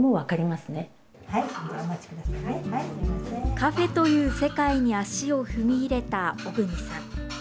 カフェという世界に足を踏み入れた、小國さん。